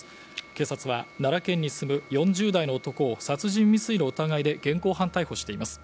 警察は奈良県に住む４０代の男を殺人未遂の疑いで現行犯逮捕しています。